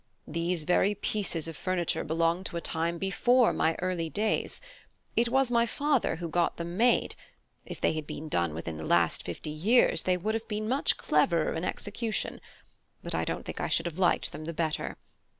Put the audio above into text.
These very pieces of furniture belong to a time before my early days; it was my father who got them made; if they had been done within the last fifty years they would have been much cleverer in execution; but I don't think I should have liked them the better.